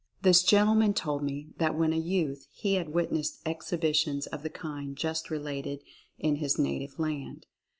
This gentleman told me that when a youth he had witnessed exhibitions of the kind just related in his native land.